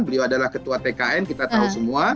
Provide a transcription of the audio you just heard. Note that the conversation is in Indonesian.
beliau adalah ketua tkn kita tahu semua